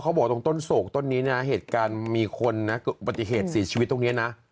พอเขาบอกตรงต้นศกตรงนี้เนี่ยเหตุการณ์มีคนปฏิเสธสิทธิ์ชีวิตตรงนี้นะ